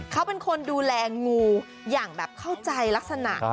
เขาเป็นคนดูแลงูอย่างแบบเข้าใจลักษณะ